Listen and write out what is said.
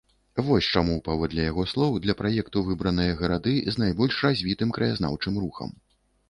Вось чаму, паводле яго слоў, для праекту выбраныя гарады з найбольш развітым краязнаўчым рухам.